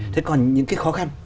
thế còn những cái khó khăn